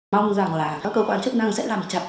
mong rằng là các cơ quan chức năng sẽ làm chặt